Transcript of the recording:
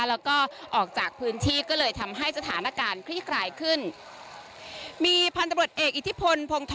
แล้วก็ออกจากพื้นที่ก็เลยทำให้สถานการณ์คลี่คลายขึ้นมีพันธบทเอกอิทธิพลพงธร